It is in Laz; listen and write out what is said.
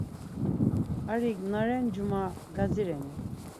Arik na ren, Cuma gadzireni?